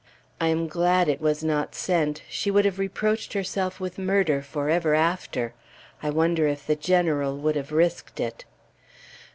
I am glad it was not sent; she would have reproached herself with murder forever after. I wonder if the General would have risked it?